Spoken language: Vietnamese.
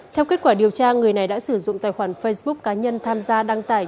theo kết quả điều tra người này đã sử dụng tài khoản facebook cá nhân tham gia đăng tải